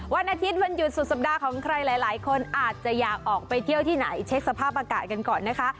วันอาทิตย์วันหยุดสุดสัปดาห์ของใครหลายคนอาจจะอยากออกไปเที่ยวที่ไหนเช็คสภาพอากาศกันก่อนนะคะ